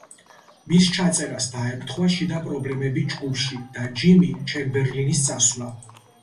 მის ჩაწერას დაემთხვა შიდა პრობლემები ჯგუფში და ჯიმი ჩემბერლინის წასვლა.